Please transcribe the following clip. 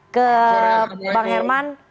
ke bang herman